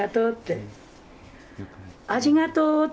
ありがとうって。